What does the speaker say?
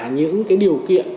những cái điều kiện